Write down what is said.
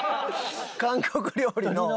韓国料理の。